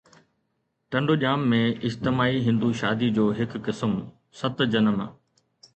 ٽنڊوڄام ۾ اجتماعي هندو شادي جو هڪ قسم، ست جنم